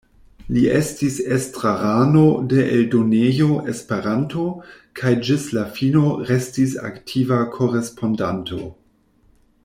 Li estis estrarano de Eldonejo Esperanto kaj ĝis la fino restis aktiva korespondanto.